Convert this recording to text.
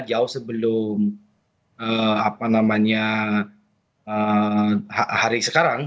jauh sebelum hari sekarang